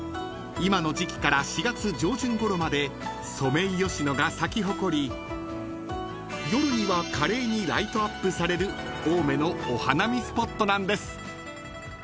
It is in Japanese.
今の時季から４月上旬ごろまでソメイヨシノが咲き誇り夜には華麗にライトアップされる青梅のお花見スポットなんです］